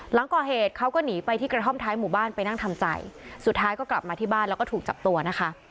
หลังก่อเหตุเขาก็หนีไปที่กระท่อมท้ายหมู่บ้านไปนั่งทำใจสุดท้ายก็กลับมาที่บ้านแล้วก็ถูกจับตัวนะคะ